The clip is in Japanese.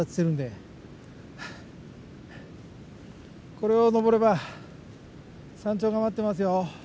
これを登れば山頂が待ってますよ。